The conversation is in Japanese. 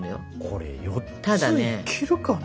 これ４ついけるかな？